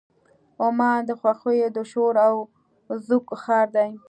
عمان د خوښیو د شور او زوږ ښار دی.